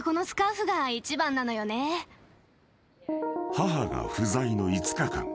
［母が不在の５日間］